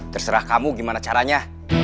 terserah kamu gimana caranya